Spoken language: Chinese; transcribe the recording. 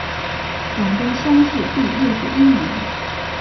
广东乡试第六十一名。